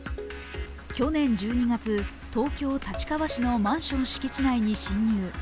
去年１２月、東京・立川市のマンション敷地内に侵入。